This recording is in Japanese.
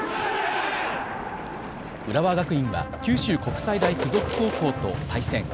浦和学院は九州国際大付属高校と対戦。